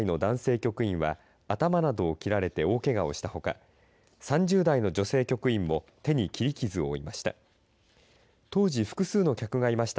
局員は頭などを切られて大けがをしたほか３０代の女性局員も手に切り傷を負いました。